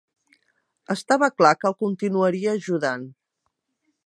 Estava clar que el continuaria ajudant.